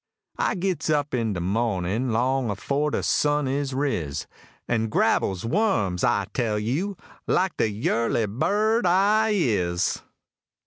I gits up in de moh'nin', long afore de sun is riz, An' grabbles wums, I tell you! like de yurly bird I is.